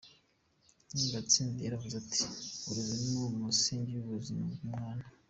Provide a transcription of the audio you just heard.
Gatsinzi yaravuze ati “Uburezi ni umusingi w’ubuzima bw’umwana.